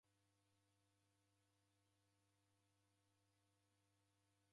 Luvuna lwa nyumba lwanoneka